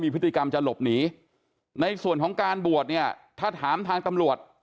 พฤติกรรมจะหลบหนีในส่วนของการบวชเนี่ยถ้าถามทางตำรวจ